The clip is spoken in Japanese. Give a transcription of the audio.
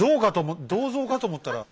銅像かと思ったら。